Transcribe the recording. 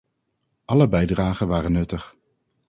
Alle bijdragen waren nuttig.